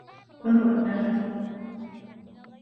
كنت أدخر